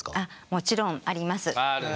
もちろんあります。